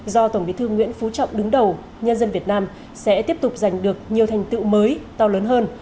do tổng bí thư nguyễn phú trọng đứng đầu nhân dân việt nam sẽ tiếp tục giành được nhiều thành tựu mới to lớn hơn